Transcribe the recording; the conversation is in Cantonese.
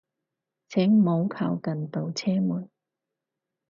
請唔好靠近度車門